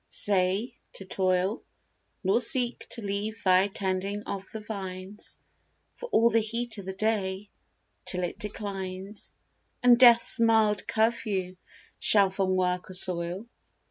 Say, to toil — Nor seek to leave thy tending of the vines, For all the heat o' the day, till it declines, And Death's mild curfew shall from work assoil.